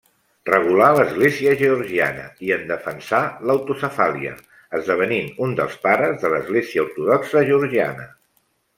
Regulà l'església georgiana i en defensà l'autocefàlia, esdevenint un dels pares de l'Església Ortodoxa Georgiana.